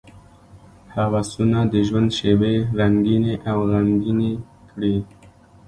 هوسونه د ژوند شېبې رنګینې او غمګینې کړي.